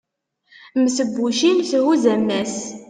mm tebbucin thuzz ammas